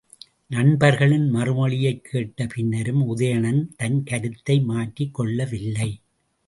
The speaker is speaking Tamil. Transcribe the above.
நண்பர்களின் மறுமொழியைக் கேட்ட பின்னரும் உதயணன் தன் கருத்தை மாற்றிக் கொள்ளவில்லை.